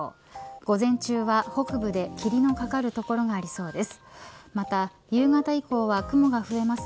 午前中は北部で霧のかかる所がありそうです。